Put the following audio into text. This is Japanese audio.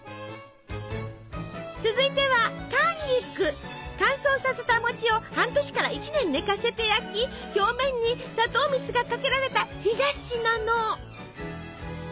続いては乾燥させた餅を半年から１年寝かせて焼き表面に砂糖蜜がかけられた干菓子なの。